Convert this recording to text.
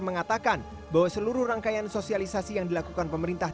mengatakan bahwa seluruh rangkaian sosialisasi yang dilakukan pemerintah